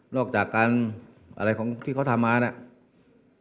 อกจากการอะไรของที่เขาทำมาเนี่ย